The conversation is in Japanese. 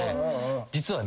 実は。